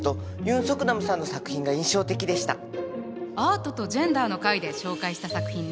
「アートとジェンダー」の回で紹介した作品ね。